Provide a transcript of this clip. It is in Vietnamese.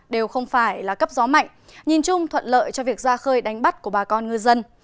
đều không phải là cấp gió mạnh nhìn chung thuận lợi cho việc ra khơi đánh bắt của bà con ngư dân